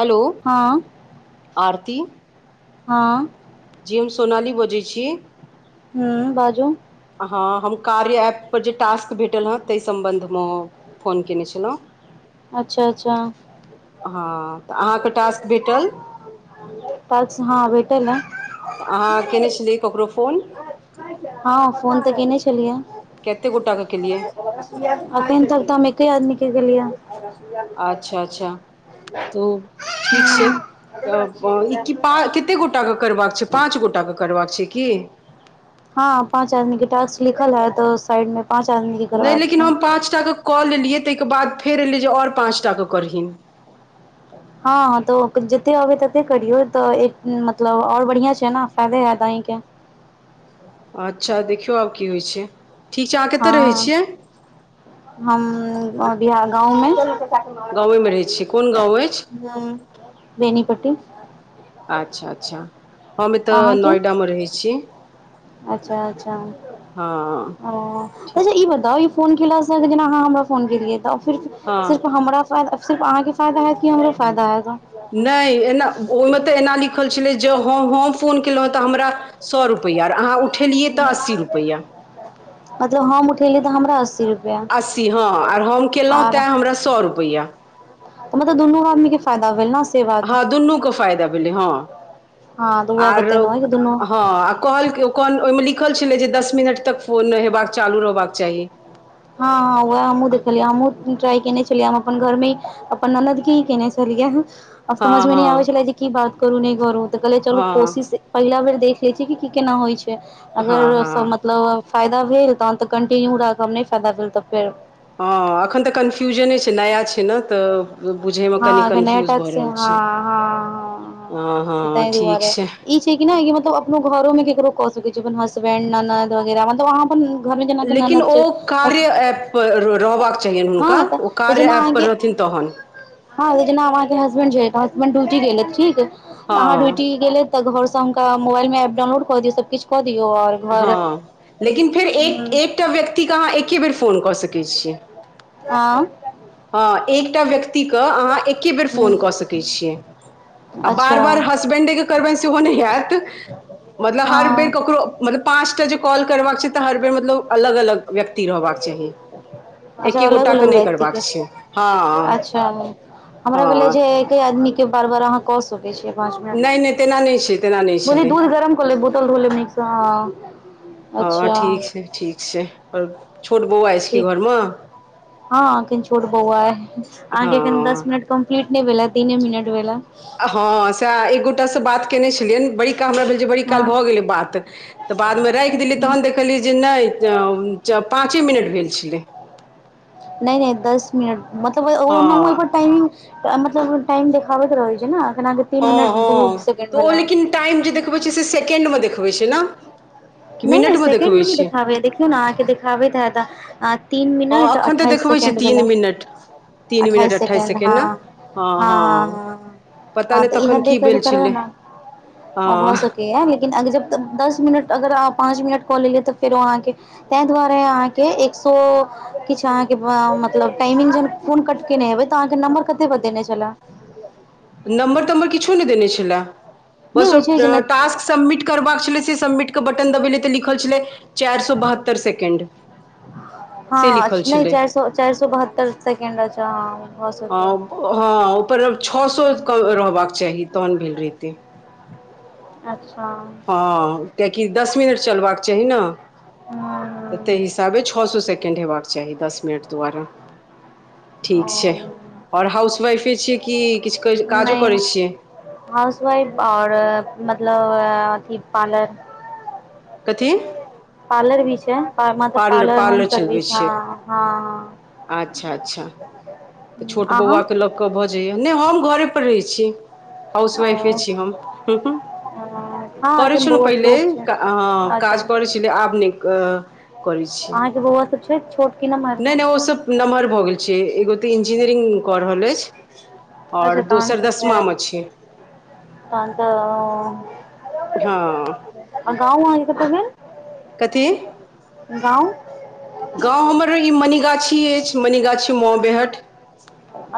Hello हँ आरती हँ जी हम सोनाली बजै छी हूँ बाजू हँ हम कार्य ऐप पर जे टास्क भेटल हँ ताहि सम्बन्ध मऽ फोन केने छलौ अच्छा अच्छा हँ तऽ अहाँकेँ टास्क भेटल टाक्स हँ भेटल हँ अहाँ केने छलियै ककरो फोन हँ फोन तऽ कयने छलियै कतेक गोटाके केलियै अखैन तक तऽ हम एके आदमीकेँ केलियै अच्छा अच्छा तऽ ठीक छै हँ [inaudible] तऽ ई टिपा कते गोटाके करबाक छै पाँच गोटा केँ करबाक छै की हँ पाँच आदमीे टास्क लिखल हैत ओ साइड मे पाँच आदमीकेँ नहि लेकिन हम पाँचटाकेँ कऽ लेलियै ताहिके बाद फेर एयलै जे और पाँचटाकेँ करहीन हँ तो जते अबे तते करियौ तऽ एक मतलब आओर बढ़िया छै नऽ फायदे आहिकेँ अच्छा देखियौ आब की होइ छै ठीक छै अहाँ कतय रहै हँ छियै हम अभि हँ गाँवमे गाँवे मे रहै छी कोन गाँव अछि हूँ बेेनीपट्टी अच्छा अच्छा हम एतय अहाँके नोएडा मे रहै छी अच्छा अच्छा हँ ओ तऽ ठीक अच्छा ई बताउ ई फोन केलासँ जेना अहाँ हमरा फोन केलियै तऽ फिर हँ सिर्फ हमरा फायदा आब सिर्फ अहाँके फायदा हैत कि हमरो फायदा हैत नहि एना ओहिमे तऽ एना लिखल छलै जँ हम फोन केलहुँ हँ तऽ हमरा सौ रुपैया आर अहाँ उठ मतलब हम उठेलियै तऽ हमरा अस्सी रुप अस्सी हँ आर हम केलहुँ तैं हमरा सौ रुपैया तऽ मतलब दुनू आदमी के हँ दुनू के फायदा भेलै हँ हँ तऽ उएह आरो बतेलहुँ दुनू हँ आ कहलकै ओहिमे कॉल ओहिमे लिखल छलै जे दस मिनट तक फोन हेबाक चालू रहबाक चाही हँ हँ व‌एह हमहुँ देखलियै हमहुँ ट्राई केने छेलियै हम अपन घर मे अपन ननद के ही केने छलियै केलियै आब हँ समझमे नै आबे हँ छलै जे की बात करू नहि करू तऽ कहलियै चलू हँ कोशिश पहिला बेर देख लै छियै कि की केना होइ छै हँ अगर सँ हँ मतलब फायदा भेल तहन तऽ कंटिन्यू राखब नहि फायदा भेल तऽ फेर हँ एखन तऽ कन्फ्यूजने छै नया छै ने तऽ बुझैमे कनी नया कन्फ्यूज भऽ टास्क रहल हँ छै हँ हँ हँ ताहि दुआरे ई छै कि नै कि मतलब अपनो घरो मे केकरो कऽ सकै छियै अपन हसबेंड ननद वगरा मतलब अहाँ अपन घरमे जेनाकि लेकिन ननद छै ओ कार्य ऐप पर रहबाक चाहि हँ हुनका ओ तऽ कार्य जेना ऐप पर अहाँके रहथिन तहन हँ जेना आब अहाँ के हसबैंड छैथ हसबैंड ड्यूटी गेलैथ ठीक तऽ हाँ हँ ड्यूटी गेलै तऽ घर से हुनका मोबाइलमे एप डानलोड कऽ दयौ सब किछ कऽ दियौ और हँ लेकिन फेर एक एकटा व्यक्तिके अहाँ एके बेर फोन कऽ सकैत छियै हँ हँ एकटा व्यक्तिकेँ अहाँ एके बेर फोन कऽ सकैत छियै आ बार अच्छा बार हसबेंडे के करबनि सेहो नहि हैत मतलब हर बेर हँ ककरो मतलब पाँचटा जे कॉल करबाक छै तऽ हर बेर मतलब अलग अलग व्यक्ति रहबाक चाही अच्छा एके अलग गोटाके अलग नहि व्यक्ति करबाक के छै हँ अच्छा हमरा भेलै हँ जे एके आदमी के बार बार अहाँ कऽ सकै छियै पांच नहि नहि तेना नहि छै तेना नहि मिनट भोली छलै दूध गरम कऽ लेब बोतल धोे लेब नीकसँ हँ हँ अच्छा ठीक छै ठीक छै आर छोट बौआ अछि की ठीक घरमे हँ एखन छोट बौआ अइ अहाँके एखन दस हँ मिनट कम्प्लीट नहि भेल ये तीने मिनट भेल ये हँ स‌एह एकगोटा से बात केने छलियनि बड़ी का हमरा भेल जे बड़ी काल भऽ गेलै बात तऽ बादमे राखि देलियै हँ तहन देख लियै जे नहि पाँचे मिनट भेल छेलै नहि नहि दस मिनट मतलब हँ ओनाहु एहिपर टाइमिंग तऽ मतलब टाइम देखाबैत रहैत छै ने एखन अहांके तीन हँ मिनट दू हँ सेकेंड तऽ भेल ओ ये लेकिन टाइम जे देखबै छै से केण्डमे देखबै छै ने कि नहि नहि मिनटमे सेकेंड मे देखबै नहि छै देखाबै है देखियौ ने अहाँके देखाबैत हैत आ तीन हँ मिनट एखन तऽ अट्ठाइस देखबै छै सेकेण्ड भेलै तीन मिनट तीन मिनट अट्ठाइस सेकेंड हँ ने हँ हँ हँ पता हँ नहि तऽ इएह तखन की देख कऽ जे भेल करबै छलै न हँ भऽ सकैये लेकिन अगर जब तक दस मिनट अगर अहाँ पाँच मिनट कऽ लेलियै तऽ फेरो अहाँके ताहि दुआरे अहाँके एक सौ किछु अहाँके मतलब टाइमिंग जहन फोन कट केने हेबै तऽ अहाँके नम्बर कते बतेने छलै नमबर तमर किछो नहि छलाह नहि बस होइ छै जेना टास्क सबमिट करबाक छलै से सबमिट क बटन दबेलियै तऽ लिखल छलै चारि सौ बहत्तर सेकेंड से हँ लिखल नहि छलै चार सौ चार सौ बहत्तर सेकेंड अछि है भ हँ सकय ये हँ ओहिपर छओ सए रहबाक चाही तहन भेल रेहते अच्छा हँ कियाकि दस मिनट चलबाक चाही ने तऽ हँ ताहि ताबे छौ सौ सेकेण्ड हेबाक चाही दस मिनट द्वारा ठीक छै ओ आओर हाउसवाइफे छियै कि किछु काजो करै छियै हाउस वाइफ आओर मतलब अथि पार्लर कथी पार्लर भी छै मतलब पार्लर होम सर्विस हँ हँ अच्छा अच्छा तऽ छोट अहाँ बौआकेँ लऽ कऽ भऽ जाइए नहि हम घरेपर रहै छी हाउसवाइफे ओ छी हम हँ करय एखन छलो बौआ पहिले छोट छै अच्छा काज कर छलै आब नए क करय छियै अहाँके बौआ सब छै छोट कि नमहर नहि नहि ओ सब नम्हर भऽ गेल छै एगो तऽ इंजीनियरिंग कऽ रहल अछि अच्छा आओर तहन दोसर तऽ दसमा फेर मे छै तहन तऽ ओ हँ आ गाँव अहाँ कत दिन कथी गाँव गाँव हमर ई मनिगाछी अछि मनिगाछी माऊ बेहट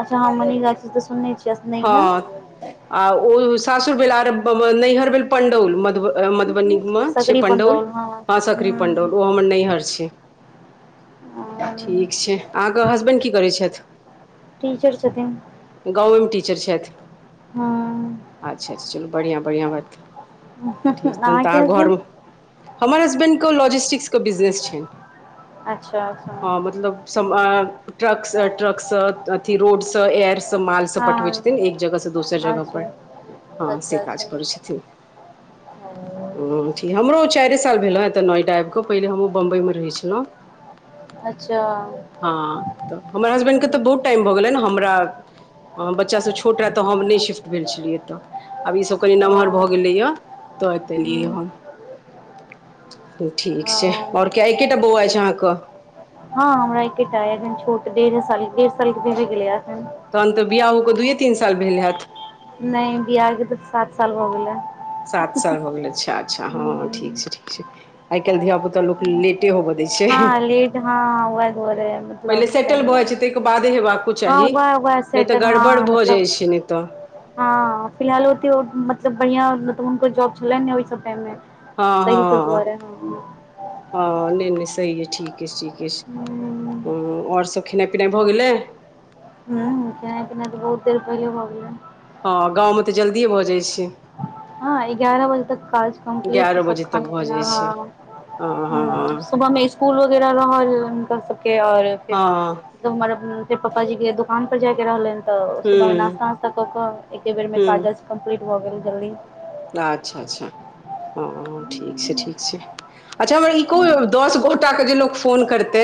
अच्छा हँ मनीगाछी तऽ सुनने छी हँ आ ओ सासुर भेल आर नैहर भेल पण्डौल मधुब मधुबनीमे छै पण्डौल हँ सकरी पण्डौल ओ हमर नैहर छै ठीक छै अहाँके हसबैंड की करैत छथि टीचर छथिन गाँवमे टीचर छथि हँ अच्छा चलू बढ़िआँ बढ़िआँ बात ठीक तन अहाँके तऽ हसबैंड घरमे हमर हसबैंडके लॉजिस्टिक्स के बिजनेस छनि अच्छा अच्छा हँ मतलब ट्रक ट्रक से अथी रोड से एयर से माल सब पठवे छै तहम हँ एक जगह से दोसर जगह अच्छा पर अहाँ अच्छा से काज अच्छा करय छथिन ह्म ठीक हमरो ओ चारिए साल भेल ह एतऽ नोएडा आबि कऽ पहिले हमहँ बम्बइमे रहै छलहुँ अच्छा हँ तऽ हमर हसबेंड के तऽ बहुत टाइम भऽ गेले ने हमरा बच्चासभ छोट रहै तऽ हम नहि शिफ्ट भेल छलियै एतय आब ईसभ कनी नमहर भऽ हँ गेलैएा तऽ एत एलियै हम [inaudible] ठीक छै और केटा बौआ अछि अहाँके हँ हमरा एकेटा एखन छोट डेढ साल डेढ़ साल के भी भ गेलै एखन तहन तऽ बियाह होके दुइए तीन साल भेल होयैत नहि बियाह के तऽ सात साल हो गेलै सात साल हो गेलै अच्छा अच्छा हँ हूँ ठीक छै ठीक छै आइ काल्हि धिया पुता एतए लोग लेटे होबय दय छै हँ लेट हँ वएह दुआरे [inaudible] मतलब पहिले ताहि सेटल भ जाए छै दुआरे तेयके बादे हेबाके हँ चाही वएह वएह नय तऽ सेटल गड़बड़ हँ भऽ मतलब जाइ छै ने तऽ हँ फिलहाल ओत मतलब बढ़िआ मतलबो जॉब छलै ने ओइ सब टाइम ह, तहि सब ह, दुआरे हँ ह नहि नहि सही है ठीके ठीके हं आओर सब खेनाइ पिनाइ भऽ गेलै ह कि नय किना तऽ बहुत देरपे भबलै हँ गाँवमे तऽ जल्दिए भऽ जाइ छै हँ एगारह बजे तक काज कम्प्लीट एगारह सब बजे तक खाना भऽ पीना जाइ छै ह हँ हँ ह सुबहमे इसकुल वगैरह रहल हुनका सबके आओर फेर हँ त हमर फेर पपाजी के दुकान पर जाय के रहल ह तऽ सुबहमे ह्म नास्ता नास्ता कऽ कऽ एके बेरमे काज ह्म अइछ छै कम्प्लीट भऽ गेल जल्दी अच्छा अच्छा ह ठीक छै ठीक छै अच्छा हमरा ई दस गो के जे लोक फोन करतै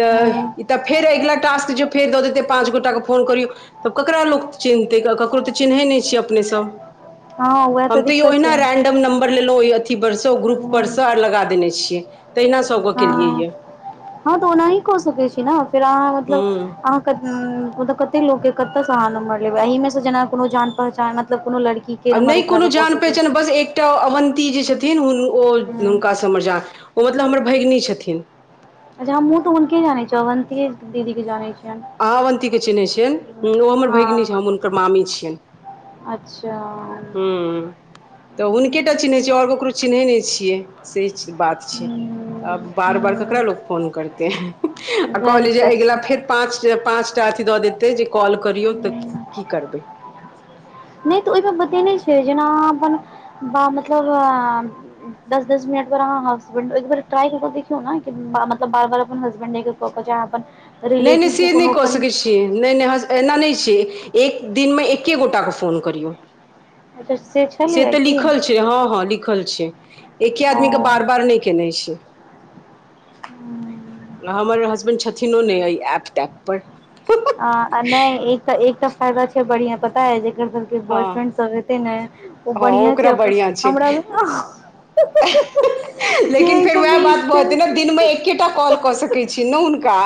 त ह इ त फेर अगिला टास्क जे फेर दऽ देतै पाँच गोटाके फोन करियौ तब ककरा लोक चिन्हतै ककरो तऽ चिन्है नय छियै अपनेसँ हं हम तऽ यो न रेंडम नंबर लेलो ओय अथी थी परसँ ओ ग्रुप परसँ आ लगा देने छियै तहिना सबके केलियै हँ यऽ हँ तऽ ओनाही कऽ सकै छी ने फेर अहाँ मतलब हूँ अहाँ कत मतलब कते लोग के कते सहा नंबर लेबे एह में जेना कोनो जान पहचान मतलब कोनो लड़की आ नय कोनो जान पहचान बस एक एकटा अवन्ती जे छथिन ओ ह हुनकासँ स [unintelligible] ओ मतलब हमर भगिनी छथिन अच्छा हमु तऽ हुनके जानय छी अवन्ततीय दीदी के जाने छि अह अवन्तीके चिन्है छियैन ओ हमर भगिनी छै हँ हम हुनकर मामी छियनि अच्छा हं तऽ हुनके टा चिन्हैत छियै ओर ककरो चिन्है नय छियै से बात छै हूँ तऽ आब बार बार ककरा हूँ लोक फोन करतै आ वैह कहली जे दिक्कत छै अगिला हूँ फेर पाँच के पाँच टा अथी दऽ दैते जे कॉल करियौ तऽ की करबै नइ तऽ ओइमे बतेने छै जेना अपन बा मतलब दस दस मिनट पर अहाँ हसबैंड एक बार ट्राय कऽ क देखियौ न मतलब बार बार अपन हसबैंड क क जा अपन नय नय रिलेटिव के से नय कोनो क कहियो सकय छी नय नय एना नय छै एक दिनमे एके गोटाके फोन करियौ अच्छा से से छलैये तऽ की लिखल छै हँ हँ लिखल छै एके ओ आदमीके बार बार नहि केने छै हम्म। हमर हसबैंड छथिन ओने सइ ऐप तैप पर आ हँ अ नय एक त एकटा फायदा छै बढ़िया पता अय जकर बॉयफ्रेंड सब हेतय ने ओ हँ बढ़िआँ छै ओकरा अपन बढ़िआँ छै हमरामे लेकिन फेर वएह सबमे बात भऽ जेतै ने इंट्रेस्ट दिनमे एकेटा कॉल कऽ सकै छी ने हुनका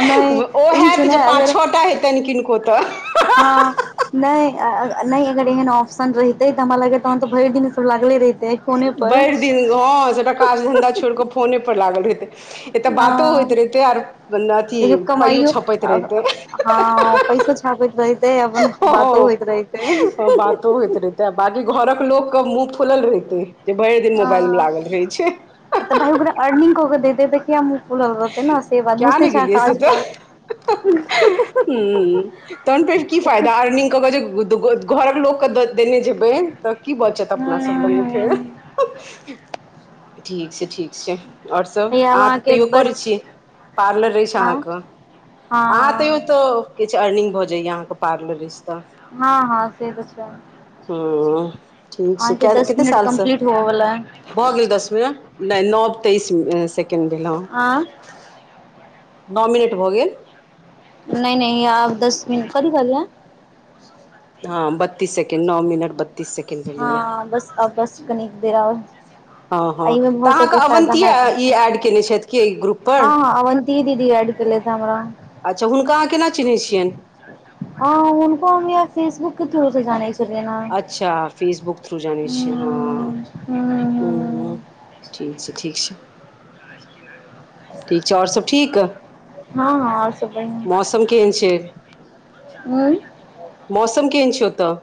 नय ई छै हैत ने पाँच अगर छओटा हेतनि किनको तऽ हँ नहि नहि अगर एहन ऑप्शन रहिते तऽ हमरा लागे तहन तो भरि दिन सब लागले रहितेै भरि दिन हँ सबटा काज धंधा छोड़ कऽ फोने पर लागल हेतै एतऽ अ बातो होइत रहिते आर अथी देखियौ पाइयो कमाइयो छपैत रहिते हँ पैसो छापैत रहितै अपन बातो होइत रहितै तऽ बाँकी घरक लोकके मुँह खोलल रहितै जे भरि दिन मोबाइल में ह लागल रहै छै तऽ भाइ ओकरा अर्निग कऽ के देते तऽ किया मुँह खुलल रहतै ने से बात किया बूझते नहि छै गेलियै काज कऽ ह। हू, तहन फेर कि फायदा अर्निग कऽ कऽ जे घरक लोकके देने जेबै तऽ की बचत ह अपना सभ लगमु फेर। ठीक छै, ठीक छै। आओर सभ आब अहाँ तऽ अहाँके तैयो बस करै छियै पार्लर रहै छैज़ हँ अहाँकेँ हँ अहाँ तैयो किछु अर्निग भऽ जाइया अहाँकेँ पार्लर रस तऽ हँ से तऽ छै। हँ ठीक छै अहाँकेँ क दस कतेक मिनट सालसँ कम्प्लीट होवला है। भऽ गेल दस मिनट नहि नओ तेइस सिकांड भेलहुँँ आ नओ मिनट भऽ गेल। नहि नहि आब दस मिनट कथि कहलियै। हँ, बत्तीस सेकोंड नओ मिनट बत्तीस सेकेण्ड भेलैए हँ बस बस नीक दे रह हँ हँ एहिमे तऽ बहुत सारके अहाँके फायदा अवन्ती है, तके ई एड कयने छथि कि ग्रुपपर हँ, हँ अन कि दीदी अड कलै स हम्र अच्छा हुनका अहाँ केना चिन्हैत छिय। हँ उनको हम फेसबुक के थ्रू से जानै छै। अच्छा, फेसबुक थ्रू जान छियै हूँ हूँ हँ। हूँ ठीक छै, ठीक छै। ठीक छै, आओर सभ ठीक हँ हँ आओर मौसम केहन छै। हाँ मौसम केहन छै ओतऽ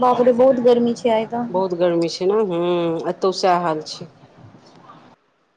बापरे बहुत गर्मी छै, आइ तऽ बहुत गरमी छै, ने हँ एतौ सएह हाल छै।